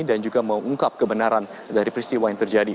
dan juga mengungkap kebenaran dari peristiwa yang terjadi